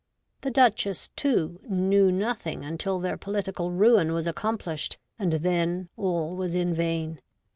The Duchess, too, knew nothing until their political ruin was accomplished, and then all was in vain.